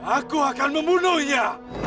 aku akan membunuhnya